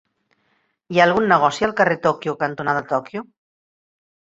Hi ha algun negoci al carrer Tòquio cantonada Tòquio?